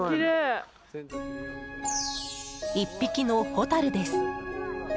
１匹のホタルです。